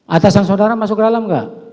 atasan saudara masuk ke dalam nggak